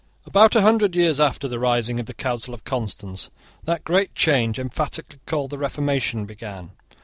About a hundred years after the rising of the Council of Constance, that great change emphatically called the Reformation began.